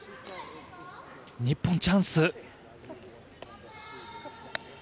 日本、チャンス。